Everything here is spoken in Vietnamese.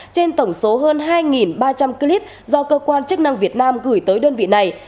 trên tổng số hơn hai ba trăm linh clip do cơ quan chức năng việt nam gửi tới đơn vị này